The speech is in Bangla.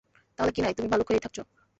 তাহলে কিনাই, তুমি ভালুক হয়েই থাকছো।